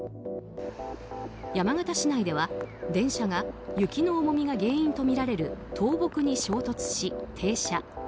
山形市内では電車が雪の重みが原因とみられる倒木に衝突し停車。